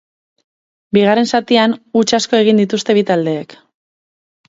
Bigarren zatian, huts asko egin dituzte bi taldeek.